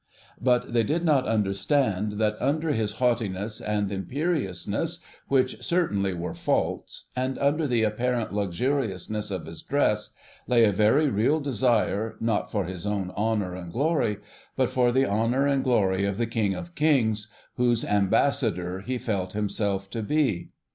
But they did not understand that under his haughtiness and imperiousness, which certainly were faults, and under the apparent luxuriousness of his dress, lay a very real desire, not for his own honour and glory, but for the honour and glory of the King of kings, whose ambassador he felt himself to be.